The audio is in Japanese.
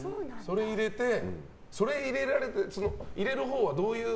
それ入れられて入れられるほうはどういう。